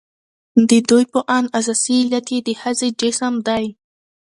د ددوى په اند اساسي علت يې د ښځې جسم دى.